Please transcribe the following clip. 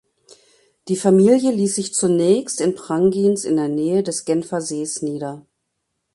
Die Familie ließ sich zunächst in Prangins in der Nähe des Genfer Sees nieder.